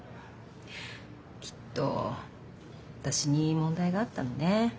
きっと私に問題があったのね。